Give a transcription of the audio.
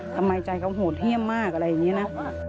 ทำไมใจเขาโหดเยี่ยมมากอะไรอย่างนี้นะ